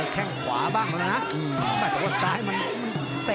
แข้งขวาบ้างแล้วนะแต่ว่าซ้ายมันเป็นแน่นกว่า